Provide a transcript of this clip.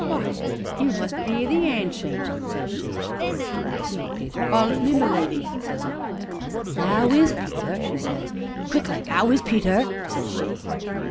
'W'y, you must be the Ancient!' says she. 'W'y, so Peter calls me, my leddy,' says I. 'An' 'ow is Peter?' she says, quick like; ''ow is Peter?' says she.